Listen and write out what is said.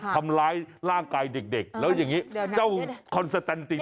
ทำร้ายร่างกายเด็กแล้วอย่างนี้เจ้าคอนสแตนจริง